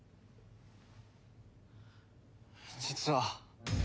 実は。